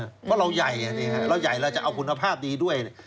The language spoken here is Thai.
เพราะเราใหญ่อ่ะเนี้ยฮะเราใหญ่เราจะเอาคุณภาพดีด้วย